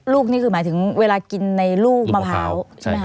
นี่คือหมายถึงเวลากินในลูกมะพร้าวใช่ไหมคะ